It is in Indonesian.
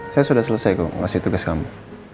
saya sudah selesai kok ngasih tugas kamu